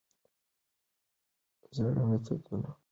زاړه میتودونه اوس کار نه ورکوي.